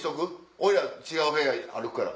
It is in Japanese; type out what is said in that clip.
俺ら違う部屋歩くから。